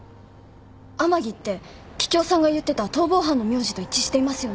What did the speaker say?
天樹って桔梗さんが言ってた逃亡犯の名字と一致していますよね？